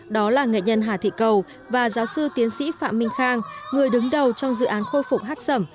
đó là nghệ nhân hà thị cầu và giáo sư tiến sĩ phạm minh khang người đứng đầu trong dự án khôi phục hát sẩm